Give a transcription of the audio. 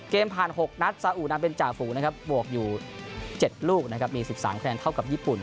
เกมผ่าน๖นัดซาอุนาเบนจาฟูบวกอยู่๗ลูกมี๑๓คะแนนเท่ากับญี่ปุ่น